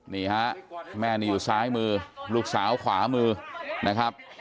นี่ฮะแม่นี่อยู่ซ้ายมือลูกสาวขวามือนะครับ